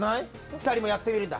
ふたりもやってみるんだ。